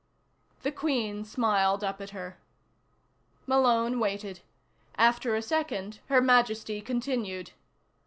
The Queen smiled up at her. Malone waited. After a second Her Majesty continued.